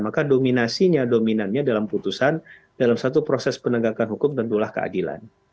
maka dominasinya dominannya dalam putusan dalam satu proses penegakan hukum tentulah keadilan